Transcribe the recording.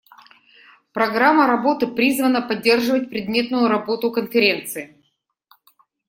Программа работы призвана поддерживать предметную работу Конференции.